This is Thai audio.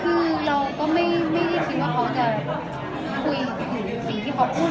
คือเราก็ไม่ได้คิดว่าเขาจะคุยถึงสิ่งที่เขาพูด